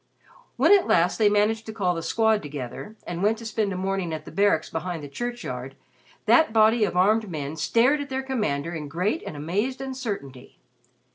When at last they managed to call The Squad together, and went to spend a morning at the Barracks behind the churchyard, that body of armed men stared at their commander in great and amazed uncertainty.